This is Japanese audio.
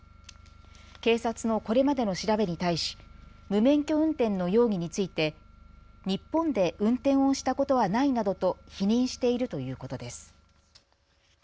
警察のこれまでの調べに対し無免許運転の容疑について日本で運転をしたことはないなどと否認しているということです。